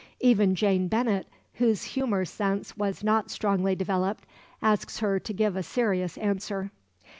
Even Jane Bennet, whose humour sense was not strongly developed, asks her to give a serious answer.